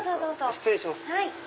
失礼します。